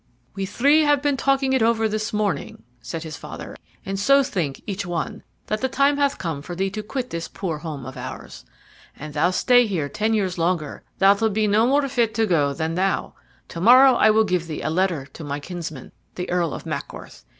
"We three have been talking it over this morning," said his father, "and so think each one that the time hath come for thee to quit this poor home of ours. An thou stay here ten years longer, thou'lt be no more fit to go then than now. To morrow I will give thee a letter to my kinsman, the Earl of Mackworth.